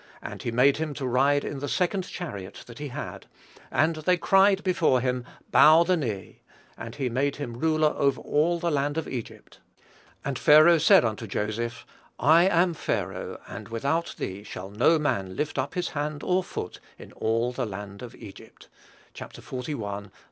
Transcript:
And he made him to ride in the second chariot that he had: and they cried before him, Bow the knee: and he made him ruler over all the land of Egypt. And Pharaoh said unto Joseph, I am Pharaoh, and without thee shall no man lift up his hand or foot in all the land of Egypt." (Chap. xli.